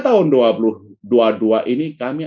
tahun dua ribu dua puluh dua ini kami